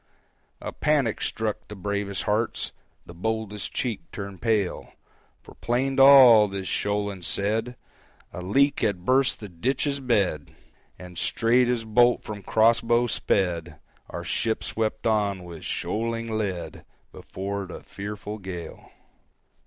A panic struck the bravest hearts, The boldest cheek turned pale; For plain to all, this shoaling said A leak had burst the ditch's bed! And, straight as bolt from crossbow sped, Our ship swept on, with shoaling lead, Before the fearful gale!